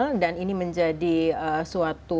mengapa monkeypox ini menjadi kedaruratan global